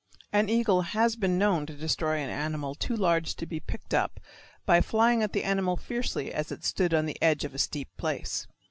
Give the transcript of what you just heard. An eagle has been known to destroy an animal too large to be picked up by flying at the animal fiercely as it stood upon the edge of a steep place.